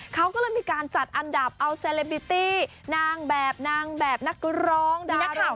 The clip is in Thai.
เขาก็เลยมีการจัดอันดับเอาเซเลบิตี้นางแบบนางแบบนักร้องด้วยนะคะ